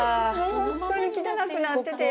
もう本当に汚くなってて。